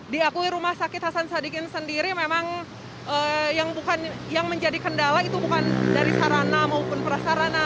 diakui rumah sakit hasan sadikin sendiri memang yang menjadi kendala itu bukan dari sarana maupun prasarana